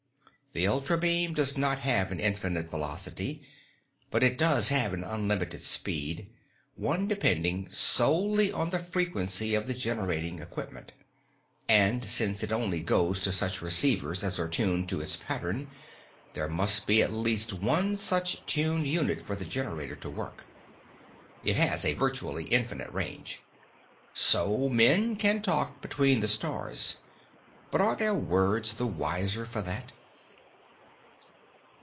The ultrabeam does not have an infinite velocity, but it does have an unlimited speed, one depending solely on the frequency of the generating equipment, and since it only goes to such receivers as are tuned to its pattern there must be at least one such tuned unit for the generator to work it has a virtually infinite range. So men can talk between the stars, but are their words the wiser for that?